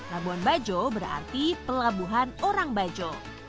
labuan bajo berarti pelabuhan orang bajo